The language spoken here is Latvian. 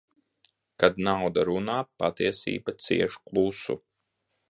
Kad nauda runā, patiesība cieš klusu.